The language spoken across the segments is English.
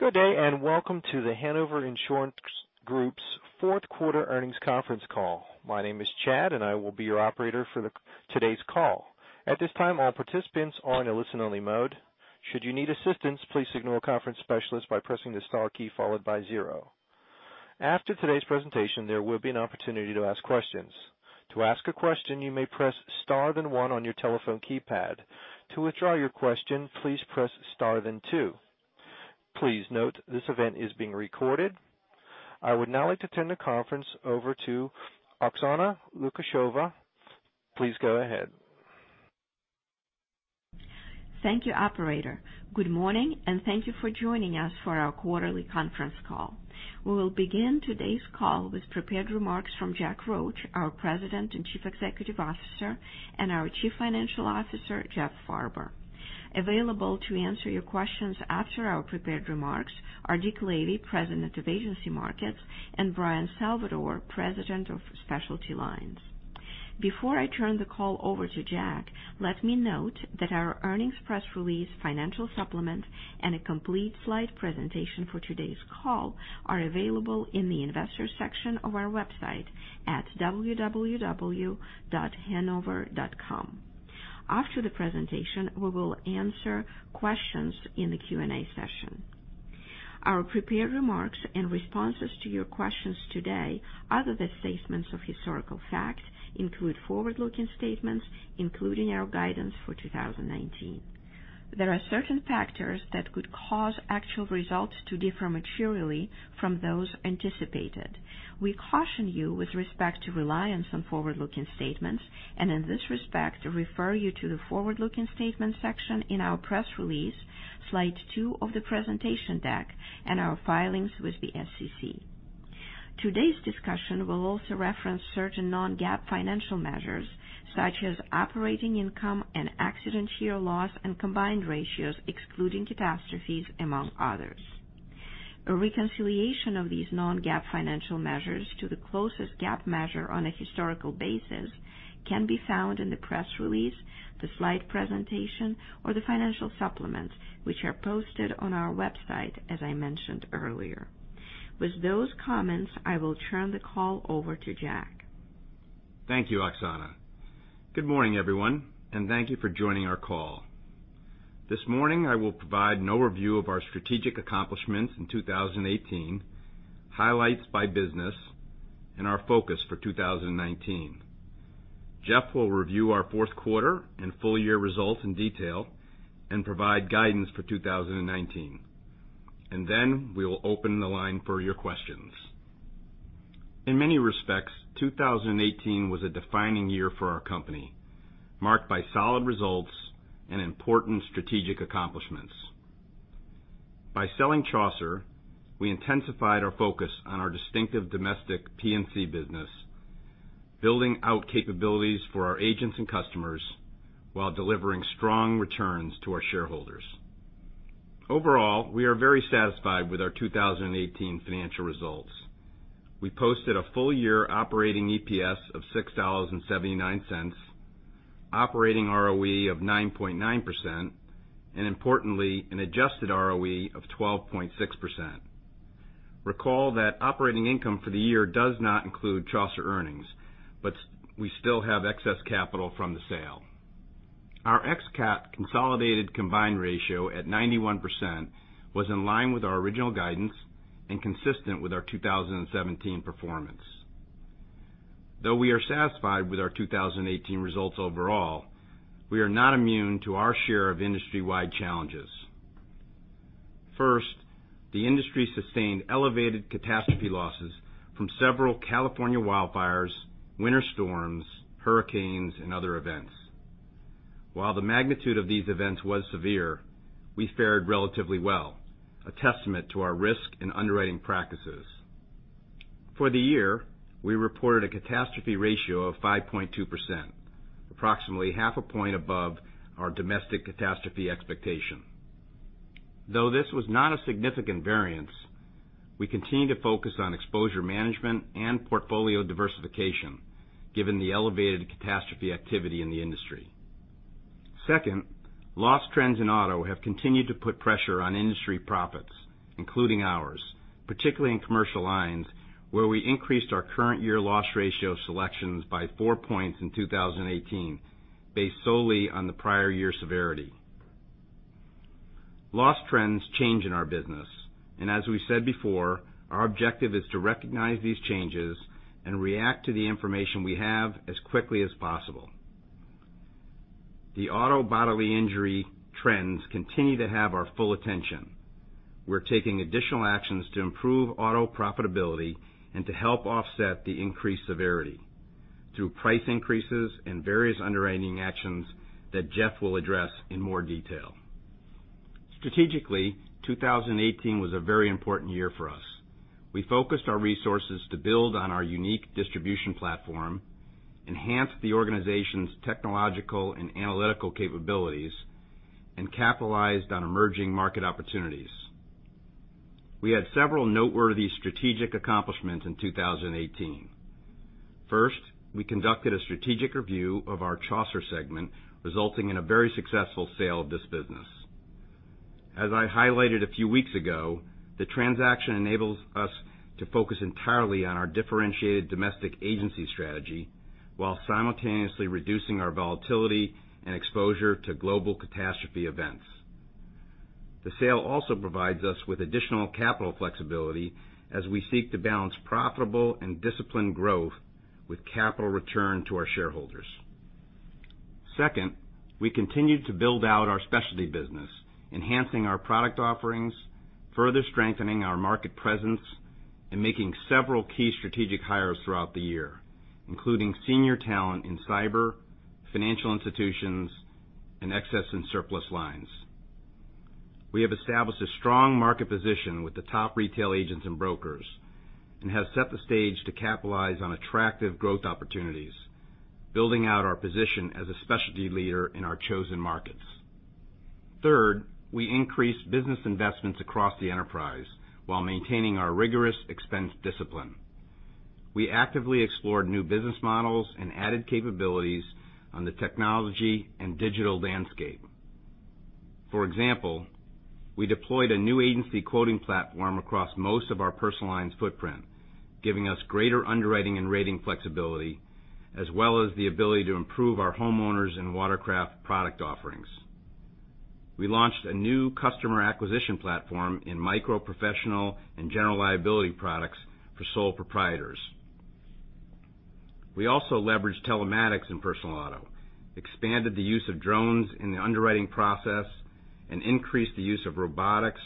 Good day, and welcome to The Hanover Insurance Group's fourth quarter earnings conference call. My name is Chad, and I will be your operator for today's call. At this time, all participants are in a listen-only mode. Should you need assistance, please signal a conference specialist by pressing the star key followed by zero. After today's presentation, there will be an opportunity to ask questions. To ask a question, you may press star, then one on your telephone keypad. To withdraw your question, please press star then two. Please note this event is being recorded. I would now like to turn the conference over to Oksana Lukasheva. Please go ahead. Thank you, operator. Good morning, and thank you for joining us for our quarterly conference call. We will begin today's call with prepared remarks from Jack Roche, our President and Chief Executive Officer, and our Chief Financial Officer, Jeff Farber. Available to answer your questions after our prepared remarks are Dick Lavey, President of Agency Markets, and Bryan Salvatore, President of Specialty Lines. Before I turn the call over to Jack, let me note that our earnings press release, financial supplement, and a complete slide presentation for today's call are available in the investors section of our website at www.hanover.com. After the presentation, we will answer questions in the Q&A session. Our prepared remarks and responses to your questions today, other than statements of historical fact, include forward-looking statements, including our guidance for 2019. There are certain factors that could cause actual results to differ materially from those anticipated. We caution you with respect to reliance on forward-looking statements and in this respect refer you to the forward-looking statements section in our press release, slide two of the presentation deck, and our filings with the SEC. Today's discussion will also reference certain non-GAAP financial measures, such as operating income and accident year loss and combined ratios excluding catastrophes, among others. A reconciliation of these non-GAAP financial measures to the closest GAAP measure on a historical basis can be found in the press release, the slide presentation, or the financial supplements, which are posted on our website, as I mentioned earlier. With those comments, I will turn the call over to Jack. Thank you, Oksana. Good morning, everyone, and thank you for joining our call. This morning, I will provide an overview of our strategic accomplishments in 2018, highlights by business, and our focus for 2019. Jeff will review our fourth quarter and full-year results in detail and provide guidance for 2019. We will open the line for your questions. In many respects, 2018 was a defining year for our company, marked by solid results and important strategic accomplishments. By selling Chaucer, we intensified our focus on our distinctive domestic P&C business, building out capabilities for our agents and customers while delivering strong returns to our shareholders. Overall, we are very satisfied with our 2018 financial results. We posted a full-year operating EPS of $6.79, operating ROE of 9.9%, and importantly, an adjusted ROE of 12.6%. Recall that operating income for the year does not include Chaucer earnings, but we still have excess capital from the sale. Our ex-CAT consolidated combined ratio at 91% was in line with our original guidance and consistent with our 2017 performance. Though we are satisfied with our 2018 results overall, we are not immune to our share of industry-wide challenges. First, the industry sustained elevated catastrophe losses from several California wildfires, winter storms, hurricanes, and other events. While the magnitude of these events was severe, we fared relatively well, a testament to our risk and underwriting practices. For the year, we reported a catastrophe ratio of 5.2%, approximately half a point above our domestic catastrophe expectation. Though this was not a significant variance, we continue to focus on exposure management and portfolio diversification given the elevated catastrophe activity in the industry. Second, loss trends in auto have continued to put pressure on industry profits, including ours, particularly in Commercial Lines, where we increased our current year loss ratio selections by 4 points in 2018, based solely on the prior year's severity. Loss trends change in our business, and as we said before, our objective is to recognize these changes and react to the information we have as quickly as possible. The auto bodily injury trends continue to have our full attention. We are taking additional actions to improve auto profitability and to help offset the increased severity through price increases and various underwriting actions that Jeff will address in more detail. Strategically, 2018 was a very important year for us. We focused our resources to build on our unique distribution platform, enhance the organization's technological and analytical capabilities, and capitalized on emerging market opportunities. We had several noteworthy strategic accomplishments in 2018. First, we conducted a strategic review of our Chaucer segment, resulting in a very successful sale of this business. As I highlighted a few weeks ago, the transaction enables us to focus entirely on our differentiated domestic agency strategy while simultaneously reducing our volatility and exposure to global catastrophe events. The sale also provides us with additional capital flexibility as we seek to balance profitable and disciplined growth with capital return to our shareholders. Second, we continued to build out our specialty business, enhancing our product offerings, further strengthening our market presence, and making several key strategic hires throughout the year, including senior talent in cyber, financial institutions, and excess and surplus lines. We have established a strong market position with the top retail agents and brokers and have set the stage to capitalize on attractive growth opportunities, building out our position as a specialty leader in our chosen markets. Third, we increased business investments across the enterprise while maintaining our rigorous expense discipline. We actively explored new business models and added capabilities on the technology and digital landscape. For example, we deployed a new agency quoting platform across most of our personal lines footprint, giving us greater underwriting and rating flexibility, as well as the ability to improve our homeowners and watercraft product offerings. We launched a new customer acquisition platform in micro professional and general liability products for sole proprietors. We also leveraged telematics in personal auto, expanded the use of drones in the underwriting process, and increased the use of robotics,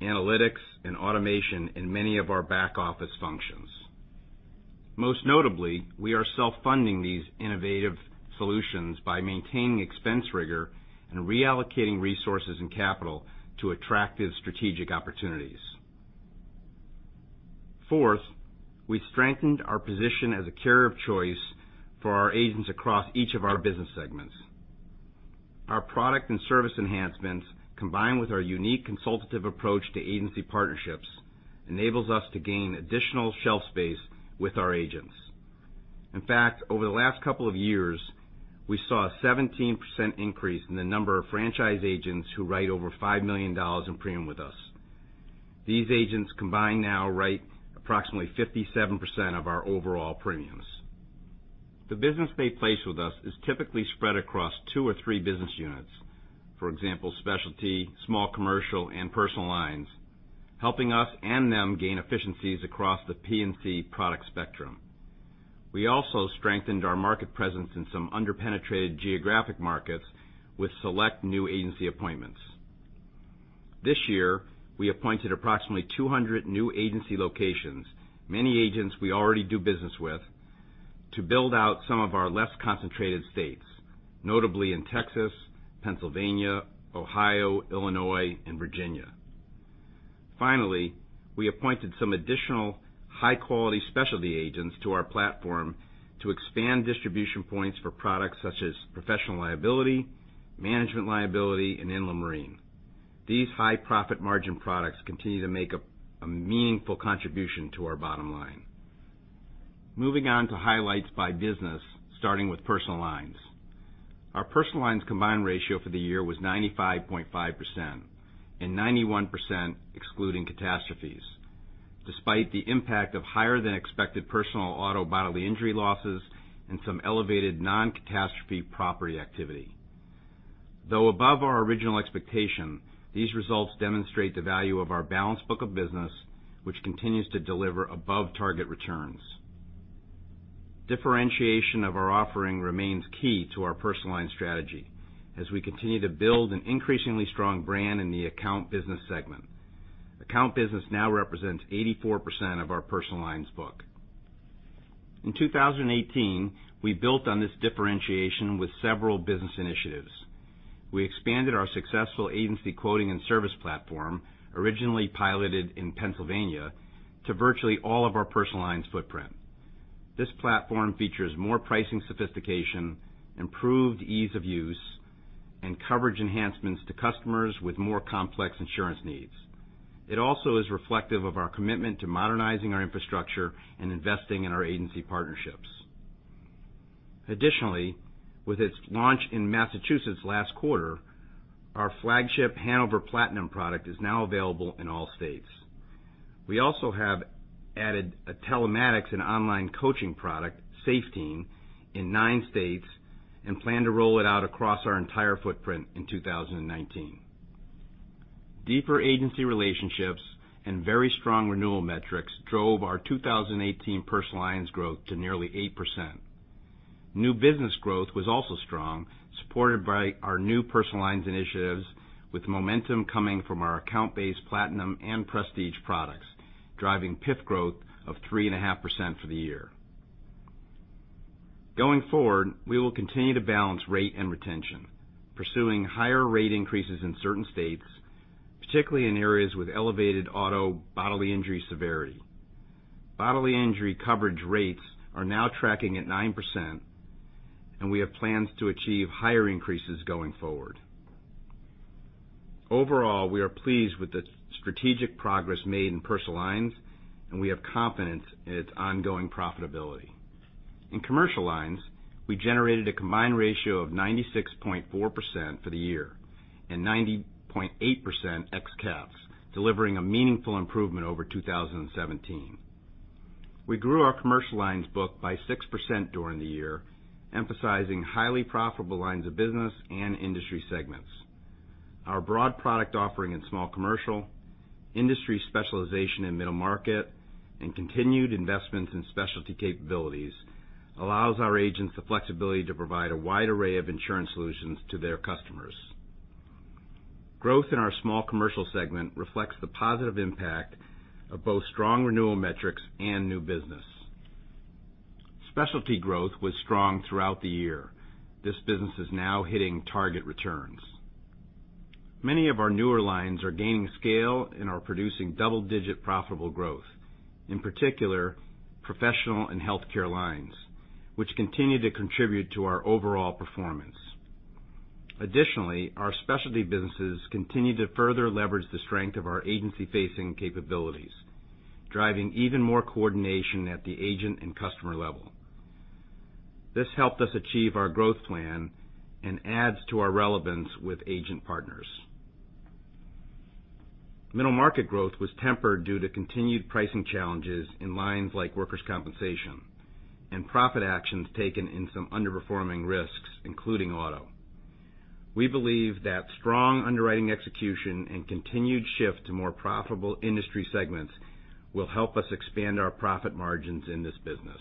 analytics, and automation in many of our back-office functions. Most notably, we are self-funding these innovative solutions by maintaining expense rigor and reallocating resources and capital to attractive strategic opportunities. Fourth, we strengthened our position as a carrier of choice for our agents across each of our business segments. Our product and service enhancements, combined with our unique consultative approach to agency partnerships, enables us to gain additional shelf space with our agents. In fact, over the last couple of years, we saw a 17% increase in the number of franchise agents who write over $5 million in premium with us. These agents combined now write approximately 57% of our overall premiums. The business they place with us is typically spread across two or three business units. For example, specialty, small commercial, and personal lines, helping us and them gain efficiencies across the P&C product spectrum. We also strengthened our market presence in some under-penetrated geographic markets with select new agency appointments. This year, we appointed approximately 200 new agency locations, many agents we already do business with, to build out some of our less concentrated states, notably in Texas, Pennsylvania, Ohio, Illinois, and Virginia. Finally, we appointed some additional high-quality specialty agents to our platform to expand distribution points for products such as professional liability, management liability, and inland marine. These high profit margin products continue to make a meaningful contribution to our bottom line. Moving on to highlights by business, starting with personal lines. Our personal lines combined ratio for the year was 95.5%, and 91% excluding catastrophes, despite the impact of higher-than-expected personal auto bodily injury losses and some elevated non-catastrophe property activity. Though above our original expectation, these results demonstrate the value of our balanced book of business, which continues to deliver above-target returns. Differentiation of our offering remains key to our personal line strategy as we continue to build an increasingly strong brand in the account business segment. Account business now represents 84% of our personal lines book. In 2018, we built on this differentiation with several business initiatives. We expanded our successful agency quoting and service platform, originally piloted in Pennsylvania, to virtually all of our personal lines footprint. This platform features more pricing sophistication, improved ease of use, and coverage enhancements to customers with more complex insurance needs. It also is reflective of our commitment to modernizing our infrastructure and investing in our agency partnerships. Additionally, with its launch in Massachusetts last quarter, our flagship Hanover Platinum product is now available in all states. We also have added a telematics and online coaching product, Safe Team, in nine states and plan to roll it out across our entire footprint in 2019. Deeper agency relationships and very strong renewal metrics drove our 2018 personal lines growth to nearly 8%. New business growth was also strong, supported by our new personal lines initiatives, with momentum coming from our account-based Platinum and Prestige products, driving PIF growth of 3.5% for the year. Going forward, we will continue to balance rate and retention, pursuing higher rate increases in certain states, particularly in areas with elevated auto bodily injury severity. Bodily injury coverage rates are now tracking at 9%, and we have plans to achieve higher increases going forward. Overall, we are pleased with the strategic progress made in Personal Lines, and we have confidence in its ongoing profitability. In Commercial Lines, we generated a combined ratio of 96.4% for the year and 90.8% ex-CATs, delivering a meaningful improvement over 2017. We grew our Commercial Lines book by 6% during the year, emphasizing highly profitable lines of business and industry segments. Our broad product offering in small commercial, industry specialization in middle market, and continued investments in specialty capabilities allows our agents the flexibility to provide a wide array of insurance solutions to their customers. Growth in our small commercial segment reflects the positive impact of both strong renewal metrics and new business. Specialty growth was strong throughout the year. This business is now hitting target returns. Many of our newer lines are gaining scale and are producing double-digit profitable growth, in particular, professional and healthcare lines, which continue to contribute to our overall performance. Additionally, our specialty businesses continue to further leverage the strength of our agency-facing capabilities, driving even more coordination at the agent and customer level. This helped us achieve our growth plan and adds to our relevance with agent partners. Middle market growth was tempered due to continued pricing challenges in lines like workers' compensation and profit actions taken in some underperforming risks, including auto. We believe that strong underwriting execution and continued shift to more profitable industry segments will help us expand our profit margins in this business.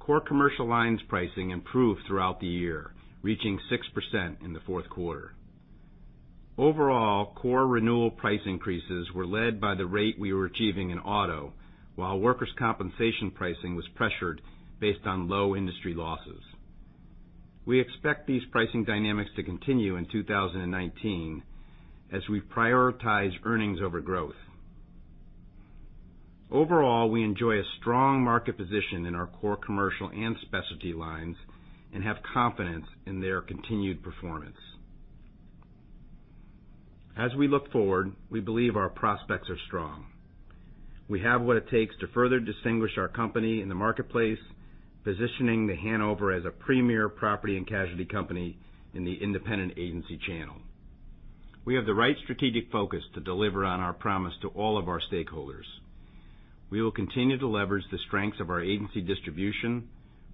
Core Commercial Lines pricing improved throughout the year, reaching 6% in the fourth quarter. Overall, core renewal price increases were led by the rate we were achieving in auto, while workers' compensation pricing was pressured based on low industry losses. We expect these pricing dynamics to continue in 2019 as we prioritize earnings over growth. Overall, we enjoy a strong market position in our core commercial and specialty lines and have confidence in their continued performance. As we look forward, we believe our prospects are strong. We have what it takes to further distinguish our company in the marketplace, positioning The Hanover as a premier property and casualty company in the independent agency channel. We have the right strategic focus to deliver on our promise to all of our stakeholders. We will continue to leverage the strengths of our agency distribution,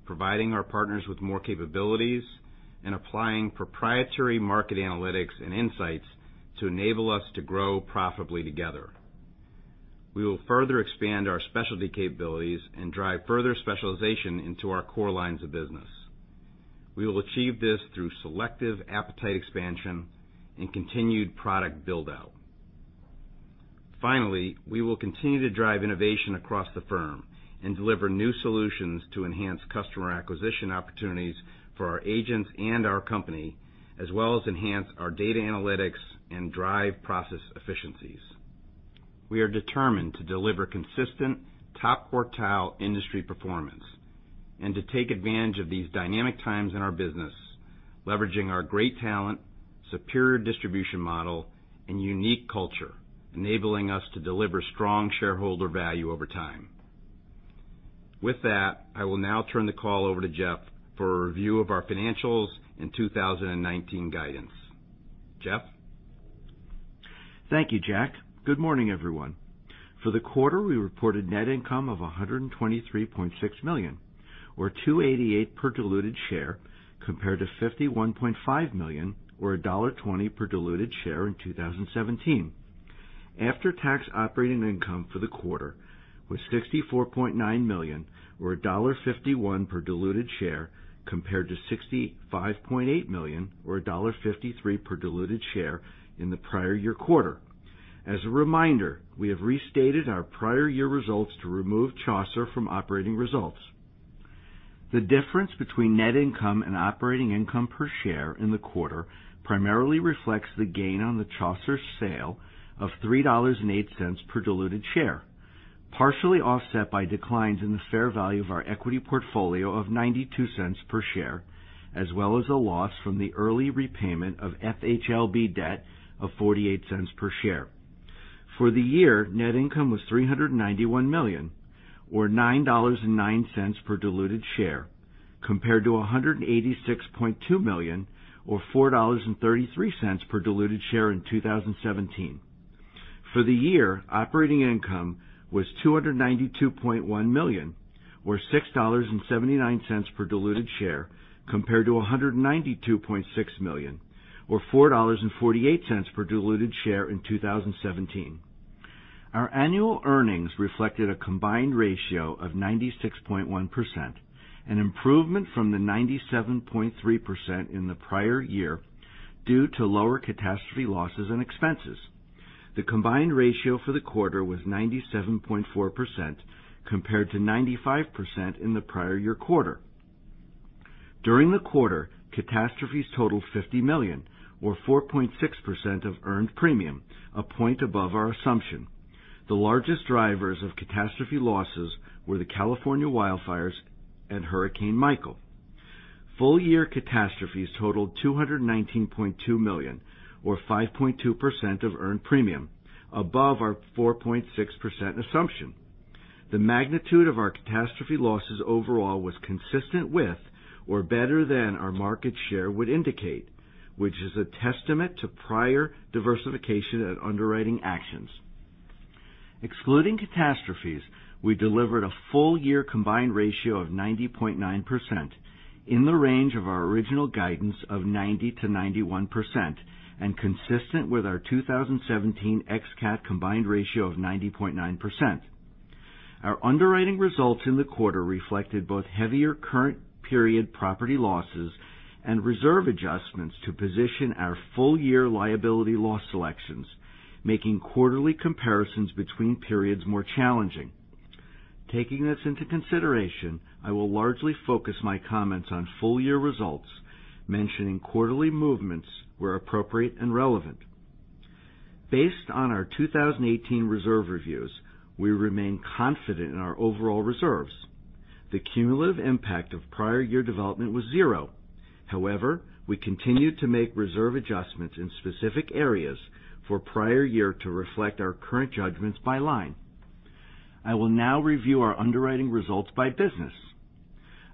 providing our partners with more capabilities, and applying proprietary market analytics and insights to enable us to grow profitably together. We will further expand our specialty capabilities and drive further specialization into our core lines of business. We will achieve this through selective appetite expansion and continued product build-out. We will continue to drive innovation across the firm and deliver new solutions to enhance customer acquisition opportunities for our agents and our company, as well as enhance our data analytics and drive process efficiencies. We are determined to deliver consistent top-quartile industry performance and to take advantage of these dynamic times in our business, leveraging our great talent, superior distribution model, and unique culture, enabling us to deliver strong shareholder value over time. With that, I will now turn the call over to Jeff for a review of our financials and 2019 guidance. Jeff? Thank you, Jack. Good morning, everyone. For the quarter, we reported net income of $123.6 million, or $2.88 per diluted share, compared to $51.5 million, or $1.20 per diluted share in 2017. After-tax operating income for the quarter was $64.9 million, or $1.51 per diluted share compared to $65.8 million, or $1.53 per diluted share in the prior year quarter. As a reminder, we have restated our prior year results to remove Chaucer from operating results. The difference between net income and operating income per share in the quarter primarily reflects the gain on the Chaucer sale of $3.08 per diluted share, partially offset by declines in the fair value of our equity portfolio of $0.92 per share, as well as a loss from the early repayment of FHLB debt of $0.48 per share. For the year, net income was $391 million, or $9.09 per diluted share, compared to $186.2 million or $4.33 per diluted share in 2017. For the year, operating income was $292.1 million, or $6.79 per diluted share, compared to $192.6 million or $4.48 per diluted share in 2017. Our annual earnings reflected a combined ratio of 96.1%, an improvement from the 97.3% in the prior year due to lower catastrophe losses and expenses. The combined ratio for the quarter was 97.4%, compared to 95% in the prior year quarter. During the quarter, catastrophes totaled $50 million, or 4.6% of earned premium, a point above our assumption. The largest drivers of catastrophe losses were the California wildfires and Hurricane Michael. Full year catastrophes totaled $219.2 million, or 5.2% of earned premium, above our 4.6% assumption. The magnitude of our catastrophe losses overall was consistent with or better than our market share would indicate, which is a testament to prior diversification and underwriting actions. Excluding catastrophes, we delivered a full year combined ratio of 90.9%, in the range of our original guidance of 90%-91%, and consistent with our 2017 ex-CAT combined ratio of 90.9%. Our underwriting results in the quarter reflected both heavier current period property losses and reserve adjustments to position our full year liability loss selections, making quarterly comparisons between periods more challenging. Taking this into consideration, I will largely focus my comments on full year results, mentioning quarterly movements where appropriate and relevant. Based on our 2018 reserve reviews, we remain confident in our overall reserves. The cumulative impact of prior year development was zero. However, I continued to make reserve adjustments in specific areas for prior year to reflect our current judgments by line. I will now review our underwriting results by business.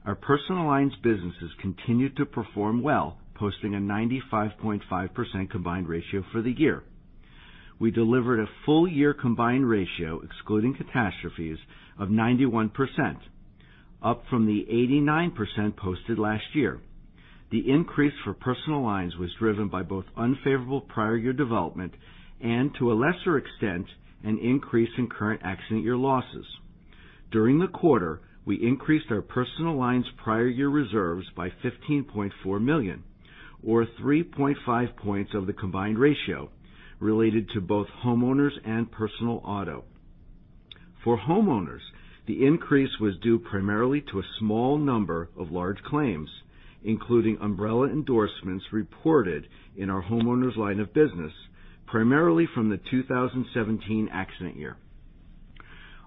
Our personal lines businesses continued to perform well, posting a 95.5% combined ratio for the year. We delivered a full year combined ratio, excluding catastrophes, of 91%, up from the 89% posted last year. The increase for personal lines was driven by both unfavorable prior year development and, to a lesser extent, an increase in current accident year losses. During the quarter, we increased our personal lines prior year reserves by $15.4 million, or 3.5 points of the combined ratio, related to both homeowners and personal auto. For homeowners, the increase was due primarily to a small number of large claims, including umbrella endorsements reported in our homeowners line of business, primarily from the 2017 accident year.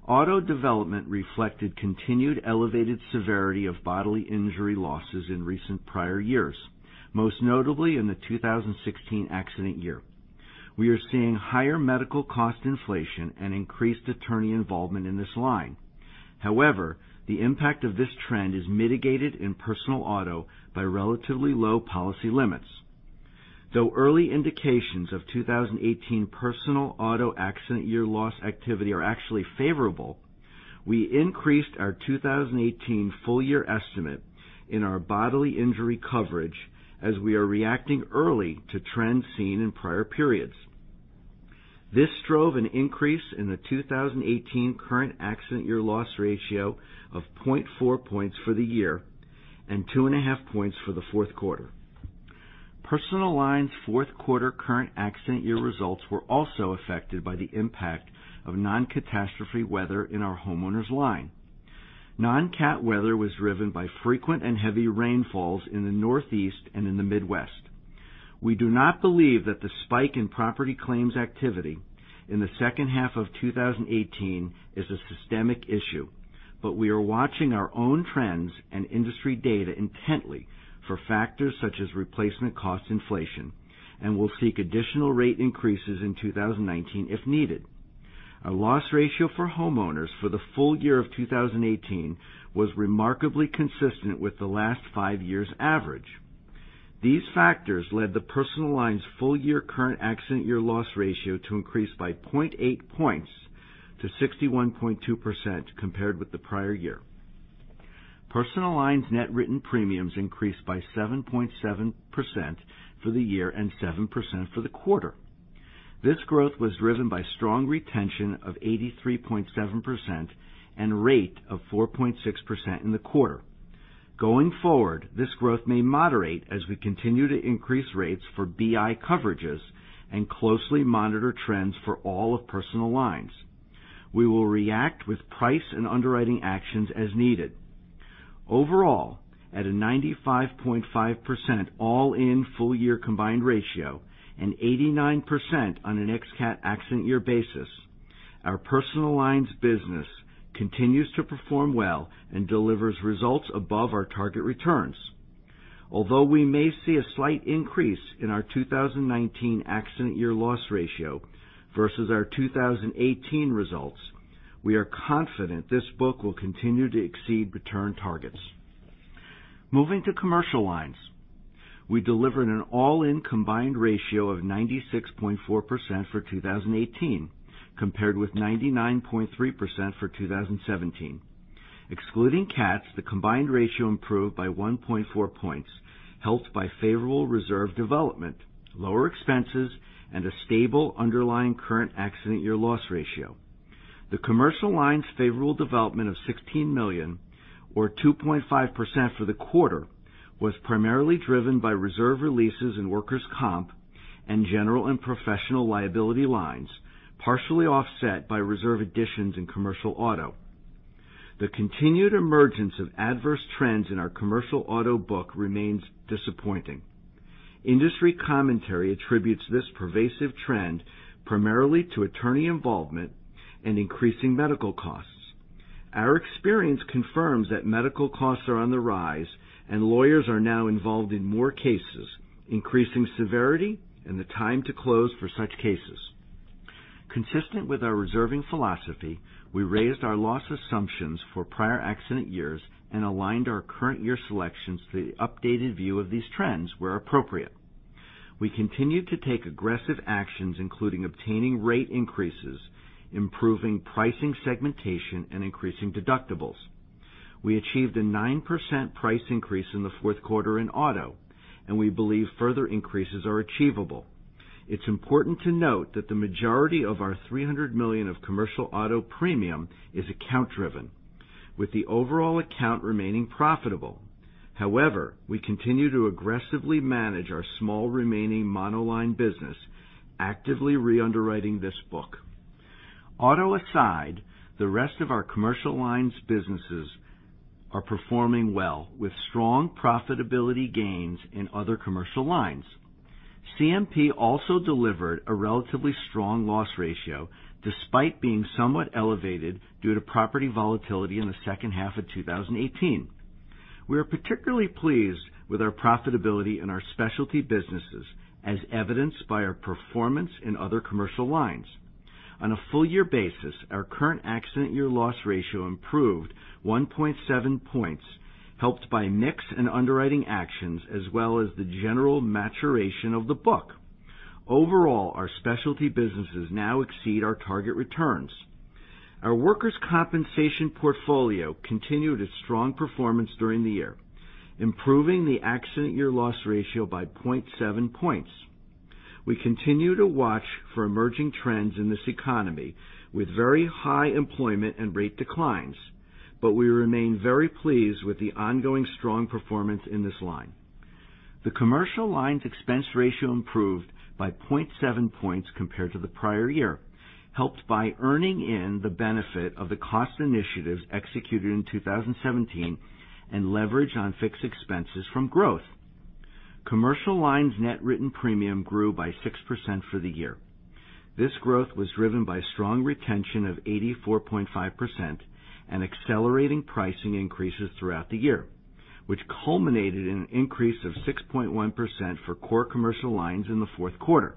Auto development reflected continued elevated severity of bodily injury losses in recent prior years, most notably in the 2016 accident year. We are seeing higher medical cost inflation and increased attorney involvement in this line. However, the impact of this trend is mitigated in personal auto by relatively low policy limits. Though early indications of 2018 personal auto accident year loss activity are actually favorable, we increased our 2018 full year estimate in our bodily injury coverage as we are reacting early to trends seen in prior periods. This drove an increase in the 2018 current accident year loss ratio of 0.4 points for the year and 2.5 points for the fourth quarter. Personal lines' fourth quarter current accident year results were also affected by the impact of non-catastrophe weather in our homeowners line. Non-cat weather was driven by frequent and heavy rainfalls in the Northeast and in the Midwest. We do not believe that the spike in property claims activity in the second half of 2018 is a systemic issue, we are watching our own trends and industry data intently for factors such as replacement cost inflation and will seek additional rate increases in 2019 if needed. Our loss ratio for homeowners for the full year of 2018 was remarkably consistent with the last five years' average. These factors led the personal lines full year current accident year loss ratio to increase by 0.8 points to 61.2% compared with the prior year. Personal lines net written premiums increased by 7.7% for the year and 7% for the quarter. This growth was driven by strong retention of 83.7% and rate of 4.6% in the quarter. Going forward, this growth may moderate as we continue to increase rates for BI coverages and closely monitor trends for all of personal lines. We will react with price and underwriting actions as needed. Overall, at a 95.5% all-in full year combined ratio and 89% on an ex-CAT accident year basis, our personal lines business continues to perform well and delivers results above our target returns. We may see a slight increase in our 2019 accident year loss ratio versus our 2018 results, we are confident this book will continue to exceed return targets. Moving to commercial lines, we delivered an all-in combined ratio of 96.4% for 2018, compared with 99.3% for 2017. Excluding CATs, the combined ratio improved by 1.4 points, helped by favorable reserve development, lower expenses, and a stable underlying current accident year loss ratio. The commercial lines favorable development of $16 million, or 2.5% for the quarter, was primarily driven by reserve releases in workers' comp and general and professional liability lines, partially offset by reserve additions in commercial auto. The continued emergence of adverse trends in our commercial auto book remains disappointing. Industry commentary attributes this pervasive trend primarily to attorney involvement and increasing medical costs. Our experience confirms that medical costs are on the rise and lawyers are now involved in more cases, increasing severity and the time to close for such cases. Consistent with our reserving philosophy, we raised our loss assumptions for prior accident years and aligned our current year selections to the updated view of these trends where appropriate. We continued to take aggressive actions, including obtaining rate increases, improving pricing segmentation, and increasing deductibles. We achieved a 9% price increase in the fourth quarter in auto, and we believe further increases are achievable. It's important to note that the majority of our $300 million of commercial auto premium is account-driven, with the overall account remaining profitable. We continue to aggressively manage our small remaining monoline business, actively re-underwriting this book. Auto aside, the rest of our commercial lines businesses are performing well with strong profitability gains in other commercial lines. CMP also delivered a relatively strong loss ratio despite being somewhat elevated due to property volatility in the second half of 2018. We are particularly pleased with our profitability and our specialty businesses as evidenced by our performance in other commercial lines. On a full year basis, our current accident year loss ratio improved 1.7 points, helped by mix and underwriting actions, as well as the general maturation of the book. Our specialty businesses now exceed our target returns. Our workers' compensation portfolio continued its strong performance during the year, improving the accident year loss ratio by 0.7 points. We continue to watch for emerging trends in this economy with very high employment and rate declines, but we remain very pleased with the ongoing strong performance in this line. The commercial lines expense ratio improved by 0.7 points compared to the prior year, helped by earning in the benefit of the cost initiatives executed in 2017 and leverage on fixed expenses from growth. Commercial lines net written premium grew by 6% for the year. This growth was driven by strong retention of 84.5% and accelerating pricing increases throughout the year, which culminated in an increase of 6.1% for core commercial lines in the fourth quarter.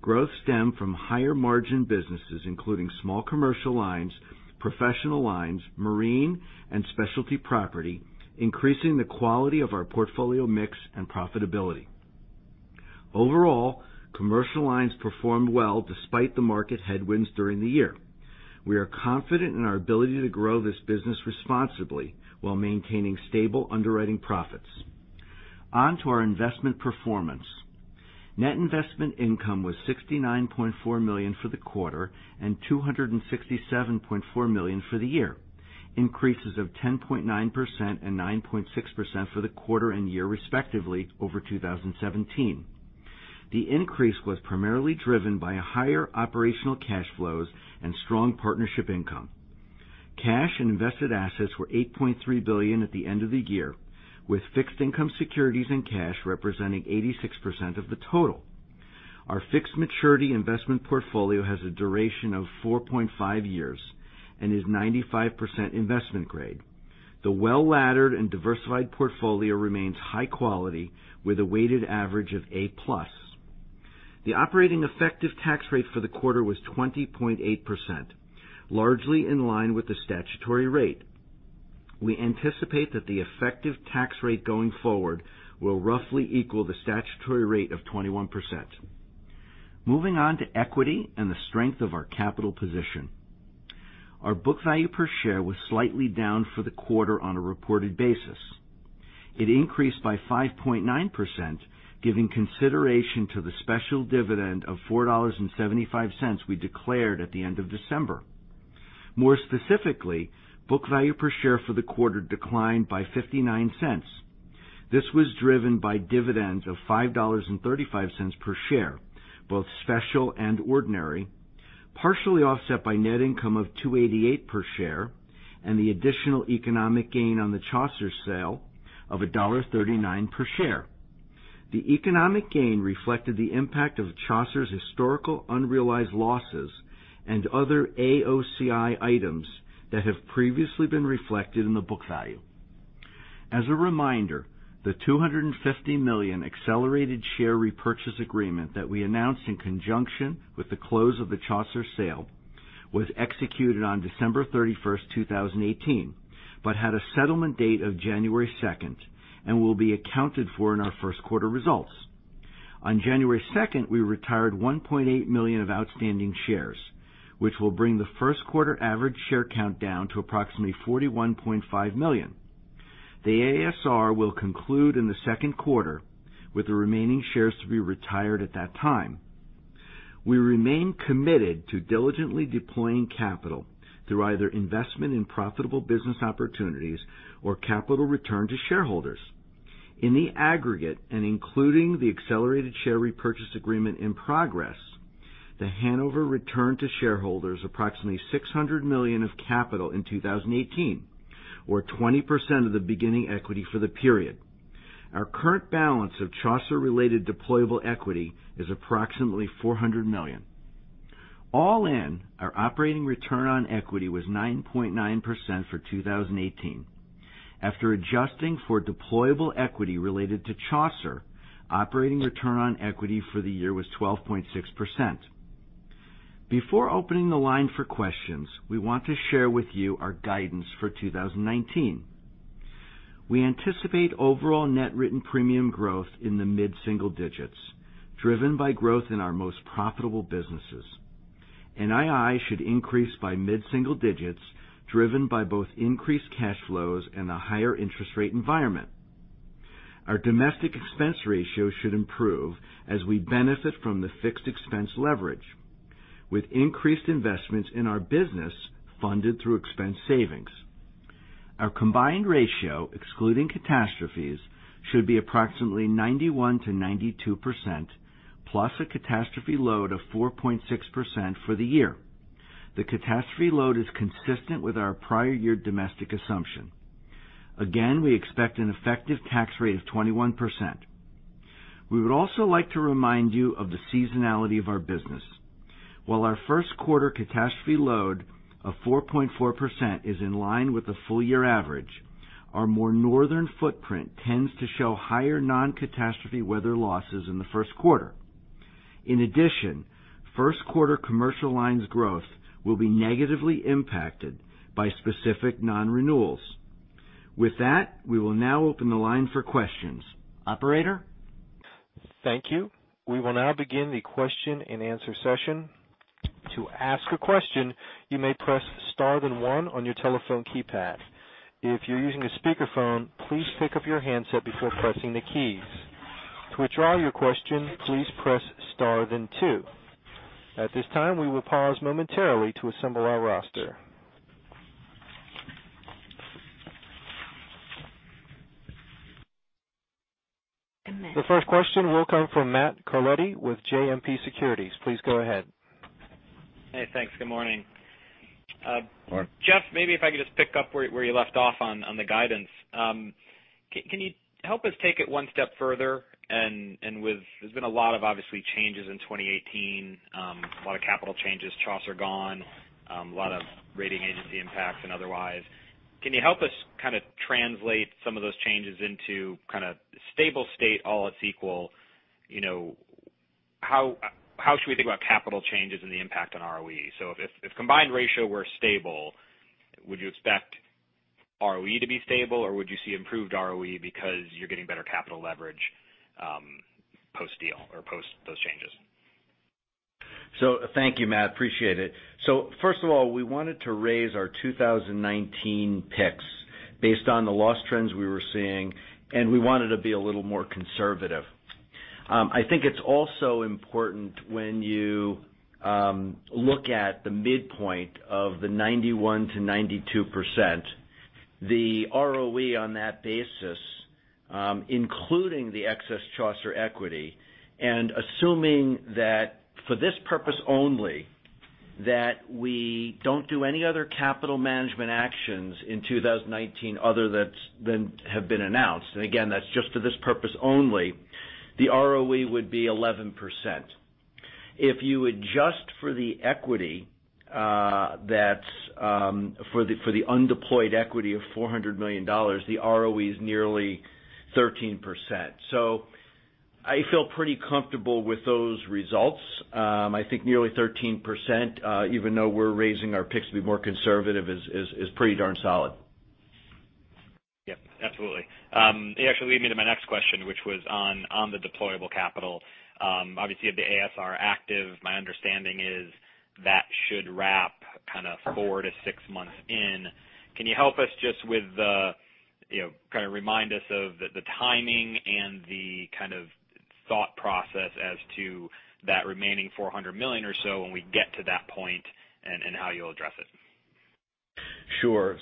Growth stemmed from higher margin businesses including small commercial lines, professional lines, marine, and specialty property, increasing the quality of our portfolio mix and profitability. Commercial lines performed well despite the market headwinds during the year. We are confident in our ability to grow this business responsibly while maintaining stable underwriting profits. On to our investment performance. Net investment income was $69.4 million for the quarter and $267.4 million for the year, increases of 10.9% and 9.6% for the quarter and year respectively over 2017. The increase was primarily driven by higher operational cash flows and strong partnership income. Cash and invested assets were $8.3 billion at the end of the year, with fixed income securities and cash representing 86% of the total. Our fixed maturity investment portfolio has a duration of 4.5 years and is 95% investment grade. The well-laddered and diversified portfolio remains high quality with a weighted average of A+. The operating effective tax rate for the quarter was 20.8%, largely in line with the statutory rate. We anticipate that the effective tax rate going forward will roughly equal the statutory rate of 21%. Moving on to equity and the strength of our capital position. Our book value per share was slightly down for the quarter on a reported basis. It increased by 5.9%, giving consideration to the special dividend of $4.75 we declared at the end of December. Book value per share for the quarter declined by $0.59. This was driven by dividends of $5.35 per share, both special and ordinary, partially offset by net income of $2.88 per share and the additional economic gain on the Chaucer sale of $1.39 per share. The economic gain reflected the impact of Chaucer's historical unrealized losses and other AOCI items that have previously been reflected in the book value. As a reminder, the $250 million accelerated share repurchase agreement that we announced in conjunction with the close of the Chaucer sale was executed on December 31st, 2018 but had a settlement date of January 2nd and will be accounted for in our first quarter results. On January 2nd, we retired $1.8 million of outstanding shares, which will bring the first quarter average share count down to approximately $41.5 million. The ASR will conclude in the second quarter with the remaining shares to be retired at that time. We remain committed to diligently deploying capital through either investment in profitable business opportunities or capital return to shareholders. In the aggregate, including the accelerated share repurchase agreement in progress, The Hanover returned to shareholders approximately $600 million of capital in 2018, or 20% of the beginning equity for the period. Our current balance of Chaucer-related deployable equity is approximately $400 million. All in, our operating return on equity was 9.9% for 2018. After adjusting for deployable equity related to Chaucer, operating return on equity for the year was 12.6%. Before opening the line for questions, we want to share with you our guidance for 2019. We anticipate overall net written premium growth in the mid-single digits, driven by growth in our most profitable businesses. NII should increase by mid-single digits, driven by both increased cash flows and a higher interest rate environment. Our domestic expense ratio should improve as we benefit from the fixed expense leverage, with increased investments in our business funded through expense savings. Our combined ratio, excluding catastrophes, should be approximately 91%-92%, plus a catastrophe load of 4.6% for the year. The catastrophe load is consistent with our prior year domestic assumption. Again, we expect an effective tax rate of 21%. We would also like to remind you of the seasonality of our business. While our first quarter catastrophe load of 4.4% is in line with the full year average, our more northern footprint tends to show higher non-catastrophe weather losses in the first quarter. In addition, first quarter commercial lines growth will be negatively impacted by specific non-renewals. With that, we will now open the line for questions. Operator? Thank you. We will now begin the question and answer session. To ask a question, you may press star then one on your telephone keypad. If you're using a speakerphone, please pick up your handset before pressing the keys. To withdraw your question, please press star then two. At this time, we will pause momentarily to assemble our roster. The first question will come from Matthew Carletti with JMP Securities. Please go ahead. Hey, thanks. Good morning. Good morning. Jeff, maybe if I could just pick up where you left off on the guidance. Can you help us take it one step further? There's been a lot of, obviously, changes in 2018, a lot of capital changes, Chaucer gone, a lot of rating agency impacts and otherwise. Can you help us kind of translate some of those changes into kind of stable state, all else equal? How should we think about capital changes and the impact on ROE? If combined ratio were stable, would you expect ROE to be stable, or would you see improved ROE because you're getting better capital leverage post-deal or post those changes? Thank you, Matt. Appreciate it. First of all, we wanted to raise our 2019 picks based on the loss trends we were seeing, and we wanted to be a little more conservative. I think it's also important when you look at the midpoint of the 91%-92%, the ROE on that basis, including the excess Chaucer equity, and assuming that, for this purpose only, that we don't do any other capital management actions in 2019 other than have been announced, and again, that's just for this purpose only, the ROE would be 11%. If you adjust for the equity, for the undeployed equity of $400 million, the ROE is nearly 13%. I feel pretty comfortable with those results. I think nearly 13%, even though we're raising our picks to be more conservative, is pretty darn solid. Yep, absolutely. It actually lead me to my next question, which was on the deployable capital. Obviously, you have the ASR active. My understanding is that should wrap kind of four to six months in. Can you help us just with the, kind of remind us of the timing and the kind of thought process as to that remaining $400 million or so when we get to that point, and how you'll address it? Sure.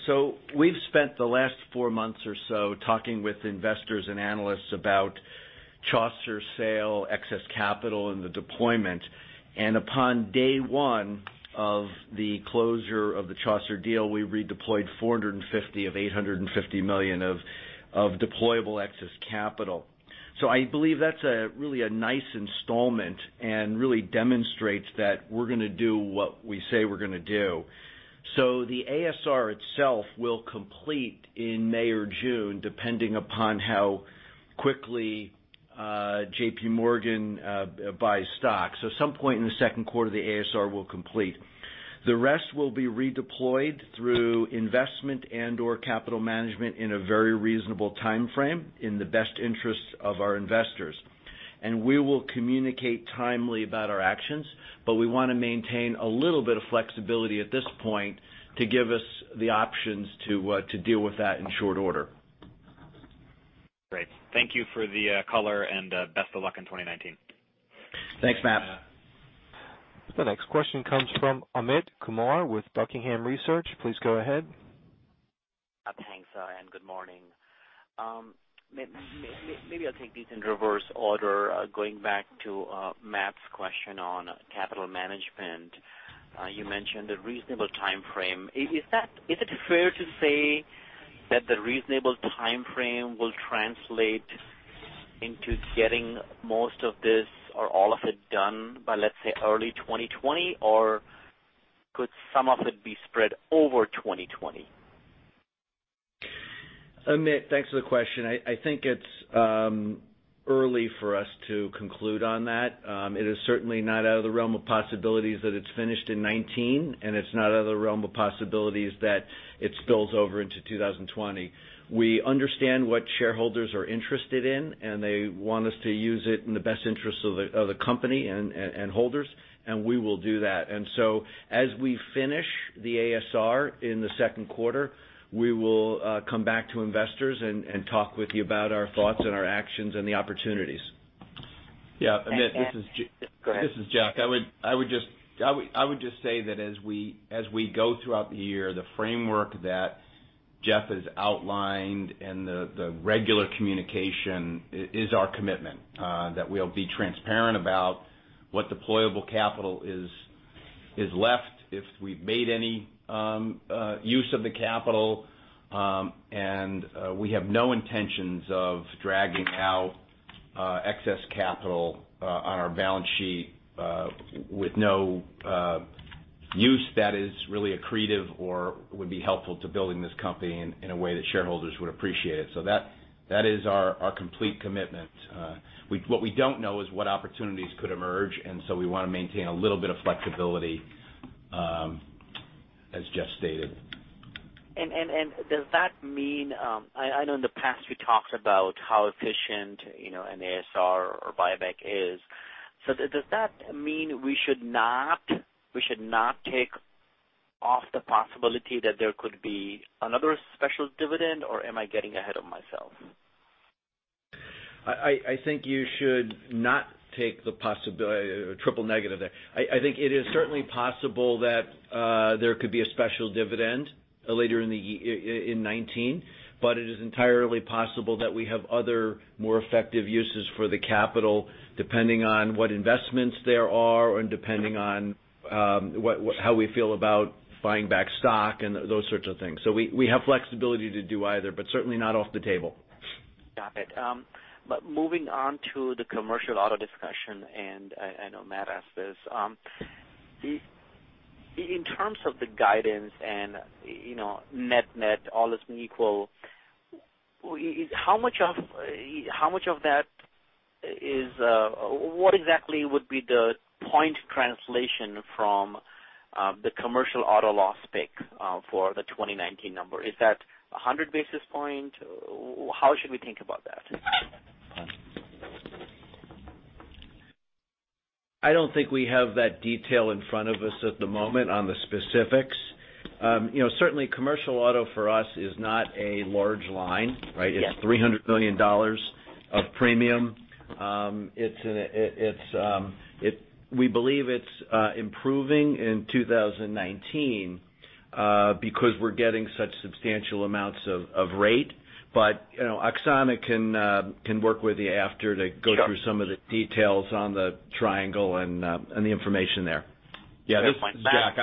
We've spent the last four months or so talking with investors and analysts about Chaucer's sale, excess capital, and the deployment. Upon day one of the closure of the Chaucer deal, we redeployed $450 million of $850 million of deployable excess capital. I believe that's really a nice installment and really demonstrates that we're going to do what we say we're going to do. The ASR itself will complete in May or June, depending upon how quickly JP Morgan buys stock. At some point in the second quarter, the ASR will complete. The rest will be redeployed through investment and/or capital management in a very reasonable timeframe in the best interest of our investors. We will communicate timely about our actions, but we want to maintain a little bit of flexibility at this point to give us the options to deal with that in short order. Great. Thank you for the color, and best of luck in 2019. Thanks, Matt. The next question comes from Amit Kumar with Buckingham Research. Please go ahead. Thanks. Good morning. Maybe I'll take these in reverse order. Going back to Matt's question on capital management. You mentioned a reasonable timeframe. Is it fair to say that the reasonable timeframe will translate into getting most of this or all of it done by, let's say, early 2020? Or could some of it be spread over 2020? Amit, thanks for the question. I think it's early for us to conclude on that. It is certainly not out of the realm of possibilities that it's finished in 2019, and it's not out of the realm of possibilities that it spills over into 2020. We understand what shareholders are interested in. They want us to use it in the best interest of the company and holders. We will do that. As we finish the ASR in the second quarter, we will come back to investors and talk with you about our thoughts and our actions and the opportunities. Yeah, Amit, this is Go ahead. This is Jack. I would just say that as we go throughout the year, the framework that Jeff has outlined and the regular communication is our commitment. That we'll be transparent about what deployable capital is left, if we've made any use of the capital. We have no intentions of dragging out excess capital on our balance sheet with no use that is really accretive or would be helpful to building this company in a way that shareholders would appreciate it. That is our complete commitment. What we don't know is what opportunities could emerge, we want to maintain a little bit of flexibility, as Jeff stated. Does that mean I know in the past we talked about how efficient an ASR or buyback is. Does that mean we should not take off the possibility that there could be another special dividend, or am I getting ahead of myself? I think you should not take the triple negative there. I think it is certainly possible that there could be a special dividend later in 2019. It is entirely possible that we have other, more effective uses for the capital, depending on what investments there are and depending on how we feel about buying back stock and those sorts of things. We have flexibility to do either, but certainly not off the table. Got it. Moving on to the commercial auto discussion, and I know Matt asked this. In terms of the guidance and net-net, all else being equal, what exactly would be the point translation from the commercial auto loss pick for the 2019 number? Is that 100 basis points? How should we think about that? I don't think we have that detail in front of us at the moment on the specifics. Certainly commercial auto for us is not a large line, right? Yeah. It's $300 million of premium. We believe it's improving in 2019 because we're getting such substantial amounts of rate. Oksana can work with you after to go- Sure through some of the details on the triangle and the information there. Yeah, this is Jack.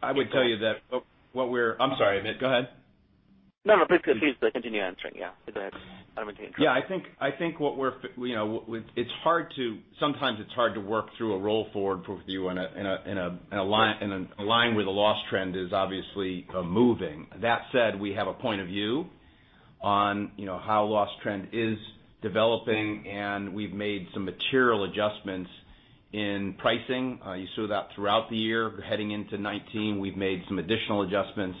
I would tell you that I'm sorry, Amit, go ahead. No, please continue answering. Yeah, go ahead. I don't want to interrupt. Yeah, sometimes it's hard to work through a roll forward with you in a line where the loss trend is obviously moving. That said, we have a point of view on how loss trend is developing, and we've made some material adjustments in pricing. You saw that throughout the year heading into 2019. We've made some additional adjustments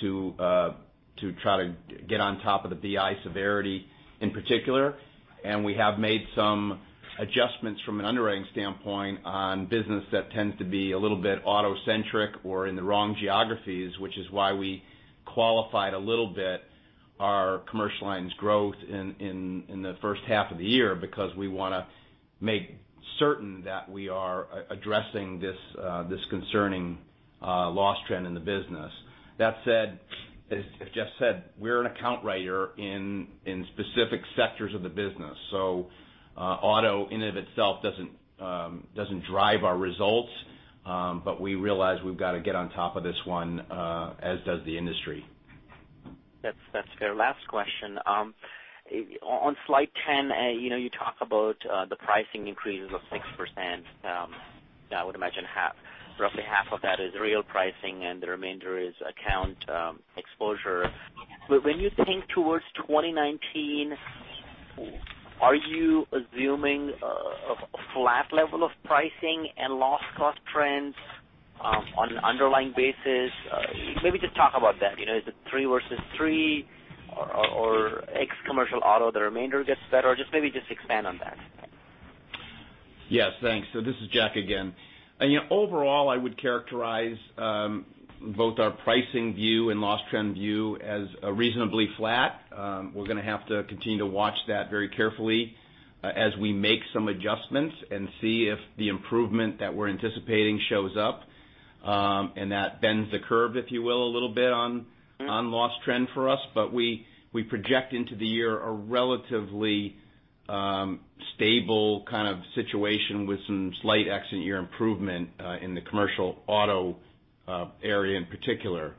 to try to get on top of the BI severity in particular. We have made some adjustments from an underwriting standpoint on business that tends to be a little bit auto-centric or in the wrong geographies, which is why we qualified a little bit our commercial lines growth in the first half of the year because we want to make certain that we are addressing this concerning loss trend in the business. That said, as Jeff said, we're an account writer in specific sectors of the business. auto in and of itself doesn't drive our results. We realize we've got to get on top of this one, as does the industry. That's fair. Last question. On slide 10, you talk about the pricing increases of 6%, I would imagine roughly half of that is real pricing and the remainder is account exposure. When you think towards 2019, are you assuming a flat level of pricing and loss cost trends on an underlying basis? Maybe just talk about that. Is it three versus three or X commercial auto, the remainder gets better? Just maybe just expand on that. Yes, thanks. This is Jack again. Overall, I would characterize both our pricing view and loss trend view as reasonably flat. We're going to have to continue to watch that very carefully as we make some adjustments and see if the improvement that we're anticipating shows up. That bends the curve, if you will, a little bit on loss trend for us. We project into the year a relatively stable kind of situation with some slight accident year improvement in the commercial auto area in particular.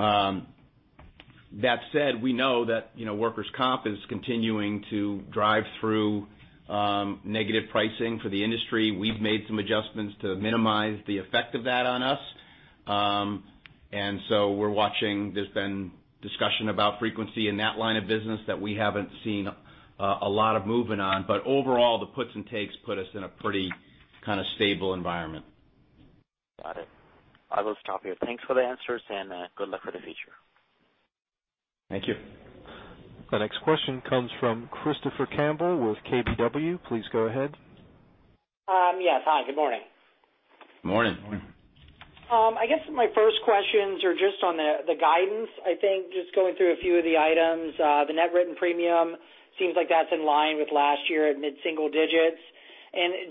That said, we know that workers' comp is continuing to drive through negative pricing for the industry. We've made some adjustments to minimize the effect of that on us. We're watching. There's been discussion about frequency in that line of business that we haven't seen a lot of movement on. Overall, the puts and takes put us in a pretty stable environment. Got it. I will stop here. Thanks for the answers, and good luck for the future. Thank you. The next question comes from Christopher Campbell with KBW. Please go ahead. Yes, hi, good morning. Morning. Morning. I guess my first questions are just on the guidance, I think, just going through a few of the items. The net written premium seems like that's in line with last year at mid-single digits.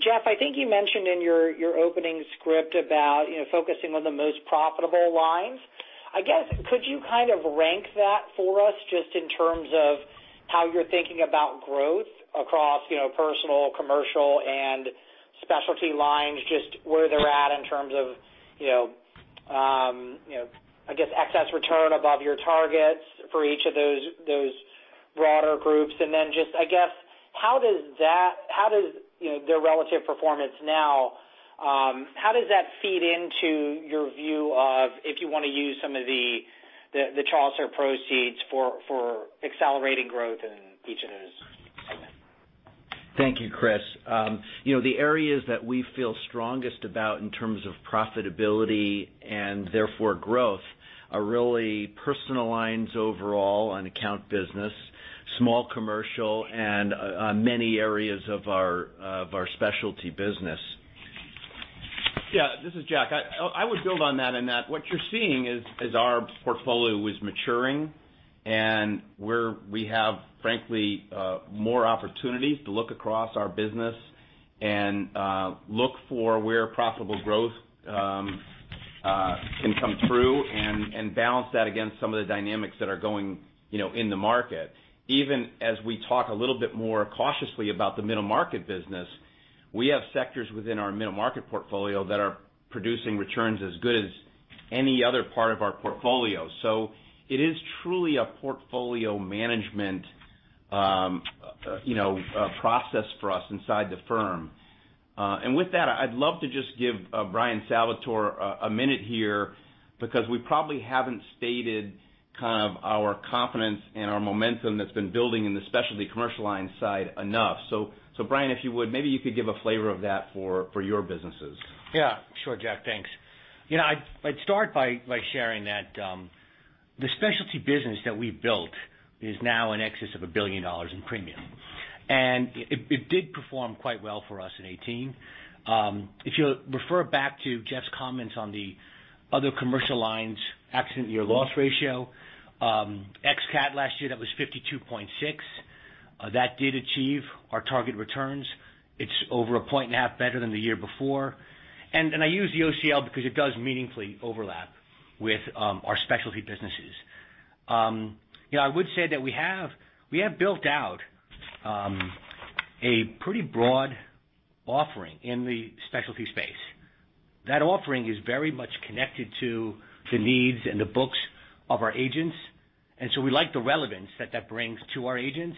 Jeff, I think you mentioned in your opening script about focusing on the most profitable lines. I guess, could you kind of rank that for us just in terms of how you're thinking about growth across personal, commercial, and specialty lines, just where they're at in terms of excess return above your targets for each of those broader groups? How does their relative performance now, how does that feed into your view of if you want to use some of the Chaucer proceeds for accelerating growth in each of those segments? Thank you, Chris. The areas that we feel strongest about in terms of profitability and therefore growth are really personal lines overall on account business, small commercial, and many areas of our specialty business. This is Jack. I would build on that in that what you're seeing is our portfolio is maturing, and we have, frankly, more opportunities to look across our business and look for where profitable growth can come through and balance that against some of the dynamics that are going in the market. Even as we talk a little bit more cautiously about the middle market business, we have sectors within our middle market portfolio that are producing returns as good as any other part of our portfolio. It is truly a portfolio management process for us inside the firm. With that, I'd love to just give Bryan Salvatore a minute here because we probably haven't stated our confidence and our momentum that's been building in the specialty commercial line side enough. Bryan, if you would, maybe you could give a flavor of that for your businesses. Sure, Jack, thanks. I'd start by sharing that the specialty business that we've built is now in excess of $1 billion in premium, and it did perform quite well for us in 2018. If you'll refer back to Jeff's comments on the other commercial lines, accident year loss ratio, ex-CAT last year, that was 52.6. That did achieve our target returns. It's over a point and a half better than the year before. I use the OCL because it does meaningfully overlap with our specialty businesses. I would say that we have built out a pretty broad offering in the specialty space. That offering is very much connected to the needs and the books of our agents, we like the relevance that that brings to our agents.